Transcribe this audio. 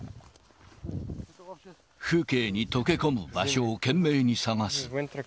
風景に溶け込む場所を懸命に探す。